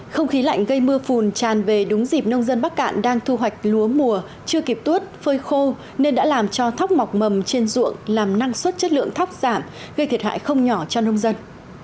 không khí lạnh gây mưa phùn tràn về đúng dịp nông dân bắc cạn đang thu hoạch lúa mùa chưa kịp tuốt phơi khô nên đã làm cho thóc mọc mầm trên ruộng làm năng suất chất lượng thóc giảm gây thiệt hại không nhỏ cho nông dân